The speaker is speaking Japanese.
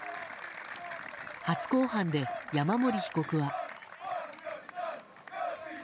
初公判で山森被告は。